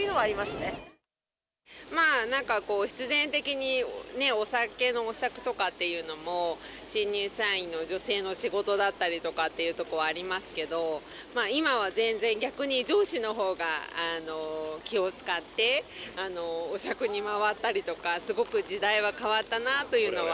まあ、なんかこう、必然的にね、お酒のお酌とかっていうのも、新入社員の女性の仕事だったりとかっていうことはありますけど、今は全然、逆に上司のほうが、気を遣って、お酌に回ったりとか、すごく時代は変わったなというのは。